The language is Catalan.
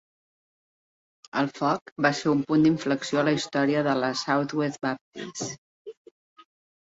El foc va ser un punt d'inflexió a la història de la Southwest Baptist.